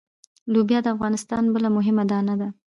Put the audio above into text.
لوبیا د افغانستان بله مهمه دانه ده.